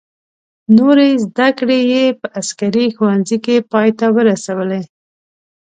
نورې زده کړې یې په عسکري ښوونځي کې پای ته ورسولې.